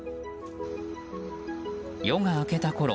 夜が明けたころ